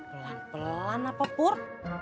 pelan pelan apa pur